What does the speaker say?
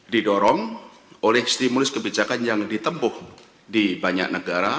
didorong oleh stimulus kebijakan yang ditempuh di banyak negara